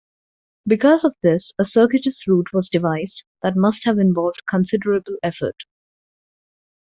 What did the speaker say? Because of this a circuitous route was devised that must have involved considerable effort.